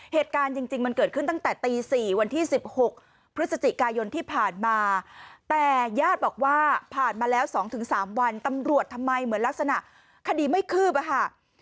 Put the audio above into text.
เหตุการณ์จริงมันเกิดขึ้นตั้งแต่ตี๔วันที่๑๖พฤศจิกายนที่ผ่านมาแต่ญาติบอกว่าผ่านมาแล้ว๒๓วันตำรวจทำไมเหมือนลักษณะคดีไม่คืบอะค่ะ